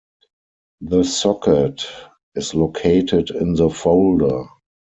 The socket is located in the folder.